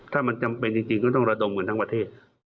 ถ้ามันจำเป็นจริงก็ต้องระดมกันทั้งประเทศ